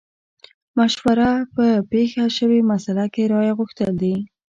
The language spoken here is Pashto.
مشوره په پېښه شوې مسئله کې رايه غوښتل دي.